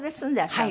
はい。